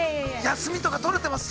休みとか取れてます？